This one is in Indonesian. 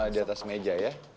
di atas meja ya